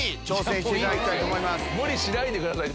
無理しないでください。